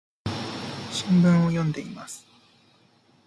新聞を読んでいます。